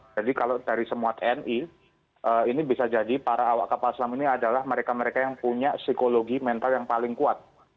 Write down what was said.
jadi kalau dari semua tni ini bisa jadi para awak kapal selam ini adalah mereka mereka yang punya psikologi mental yang paling kuat